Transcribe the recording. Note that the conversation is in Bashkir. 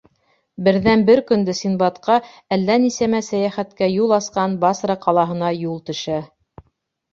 Берҙән-бер көндө Синдбадҡа әллә нисәмә сәйәхәткә юл асҡан Басра ҡалаһына юл төшә.